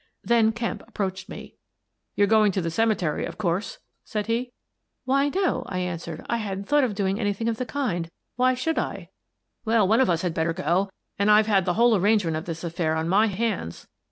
Then Kemp approached me. " You're going to the cemetery, of course? " said he. " Why, no," I answered. " I hadn't thought of doing anything of the kind. Why should I ?"" Well, one of us had better go, and I've had the whole arrangement of this affair on my hands."